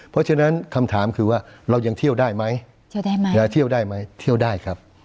เพราะฉะนั้นคำถามคือว่าเรายังเที่ยวได้ไหมเที่ยวได้ไหมจะเที่ยวได้ไหมเที่ยวได้ครับ